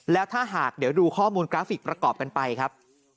แล้วถ้าหากเดี๋ยวดูข้อมูลกราฟิกประกอบกันไปครับ